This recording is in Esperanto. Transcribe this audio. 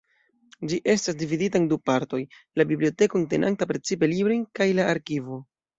Ĝi estas dividita en du partoj: la biblioteko, entenanta precipe librojn, kaj la arkivo.